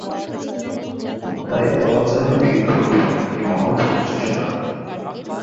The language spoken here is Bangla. তাই বলা যায় বৃক্ষরোপণ একটি মহৎ প্রচেষ্টা।